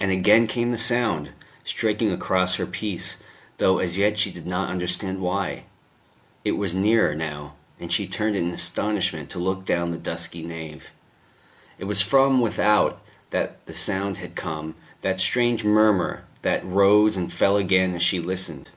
And again came the sound, striking across her peace, though as yet she did not understand why. It was nearer now; and she turned in astonishment to look down the dusky nave. It was from without that the sound had come, that strange murmur, that rose and fell again as she listened.